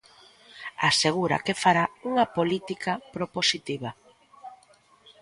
Asegura que fará unha política propositiva.